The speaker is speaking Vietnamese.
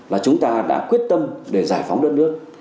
là chúng ta đã quyết tâm để giải phóng đất nước